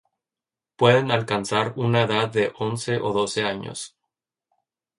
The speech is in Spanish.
Pueden alcanzar una edad de once o doce años.